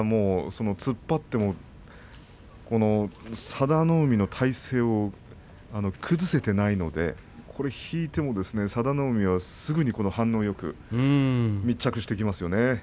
突っ張っても佐田の海の体勢を崩せていないので引いても佐田の海は、すぐ反応よく密着してきますね。